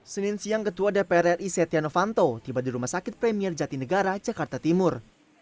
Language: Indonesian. senin siang ketua dpr ri setia novanto tiba di rumah sakit premier jatinegara jakarta timur